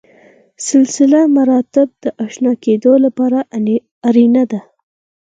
سلسله مراتب د اشنا کېدو لپاره اړینه ده.